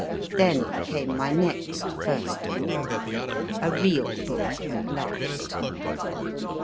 Then came my next first book a real book at last.